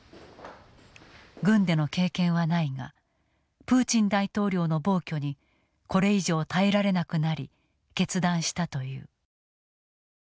軍での経験はないがプーチン大統領の暴挙にこれ以上耐えられなくなり決断したという。